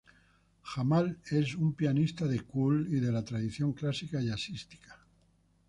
Jamal es un pianista del "cool" y de la tradición clásica jazzística.